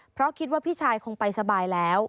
เพราะคิดว่าพี่ชายคงไปสบายแล้ว